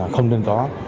không nên có